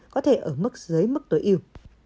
có thể ở mức dưới mức tối ưu